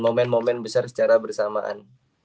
momen momen besar secara bersamaan